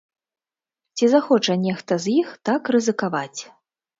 Ці захоча нехта з іх так рызыкаваць?